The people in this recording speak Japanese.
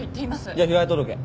じゃあ被害届。